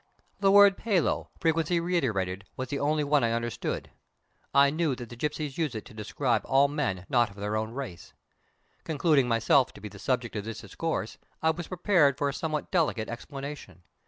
The word payllo, frequently reiterated, was the only one I understood. I knew that the gipsies use it to describe all men not of their own race. Concluding myself to be the subject of this discourse, I was prepared for a somewhat delicate explanation.